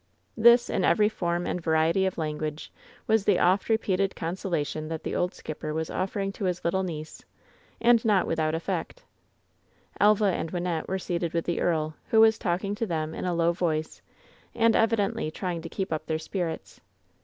This, in every form and variety of language, was the oft repeated consolation that the old skipper was offering to his little niece, and not without effect. Elva and Wynnette were seated with the earl, who was talking to them in a low voice, and evidently trying to keep up their spirits.